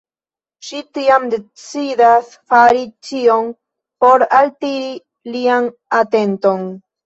Ŝi tiam decidas fari ĉion por altiri lian atenton.